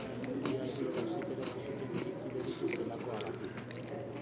Bi aldiz auziperatu zuten iritzi-delitu zelakoagatik.